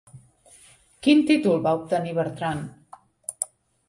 Quin títol va obtenir Bertran?